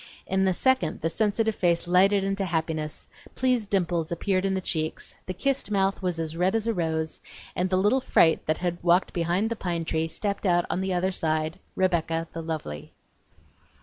In a second the sensitive face lighted into happiness; pleased dimples appeared in the cheeks, the kissed mouth was as red as a rose, and the little fright that had walked behind the pine tree stepped out on the other side Rebecca the lovely.